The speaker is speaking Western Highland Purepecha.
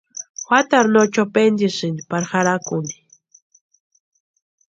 Juatarhu no chopentisïnti pari jarhakuni.